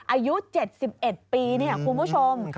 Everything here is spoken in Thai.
อายุ๗๑ปีคุณผู้ชม